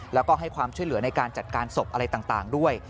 แล้วก็ให้ความช่วยเหลือในการจัดการศพอะไรต่างด้วย